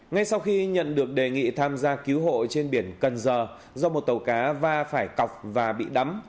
ngay sau khi nhận được đề nghị tham gia cứu hộ trên biển cần giờ do một tàu cá va phải cọc và bị đắm